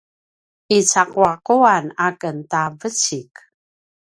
icaquaquan a ken ta vencik